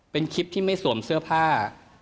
เป็นคลิปที่ไม่สวมเสื้อผ้า